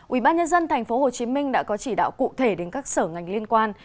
ubnd tp hcm đã có chỉ đạo cụ thể đến các sở ngành liên quan